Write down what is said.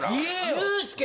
ユースケ。